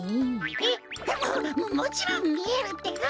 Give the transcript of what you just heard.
えっ？ももちろんみえるってか。